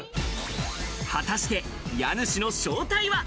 果たして家主の正体は？